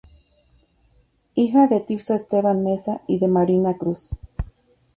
Hija de Tirso Esteban Meza y de Marina Cruz.